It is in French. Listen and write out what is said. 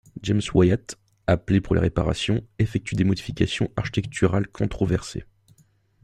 James Wyatt, appelé pour les réparations, effectue des modifications architecturales controversées.